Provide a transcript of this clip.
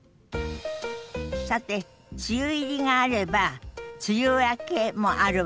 さて梅雨入りがあれば梅雨明けもあるわね。